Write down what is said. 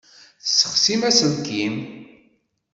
Tessexsim aselkim.